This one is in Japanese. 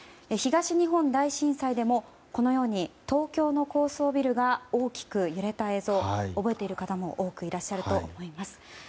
東日本大震災でもこのように東京の高層ビルが大きく揺れた映像覚えている方も多くいらっしゃると思います。